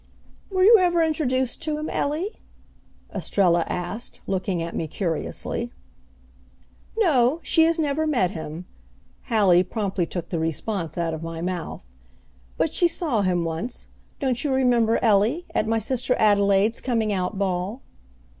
"Were you ever introduced to him, Ellie?" Estrella asked, looking at me curiously. "No, she has never met him," Hallie promptly took the response out of my mouth; "but she saw him once don't you remember, Ellie, at my sister Adelaide's coming out ball?"